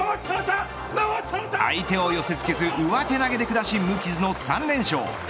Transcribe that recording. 相手を寄せ付けず上手投げで下し無傷の３連勝